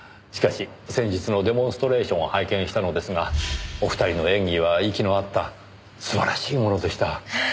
しかし先日のデモンストレーションを拝見したのですがお二人の演技は息の合った素晴らしいものでした。